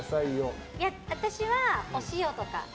私はお塩とか。